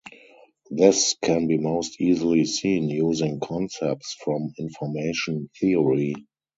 This can be most easily seen using concepts from information theory.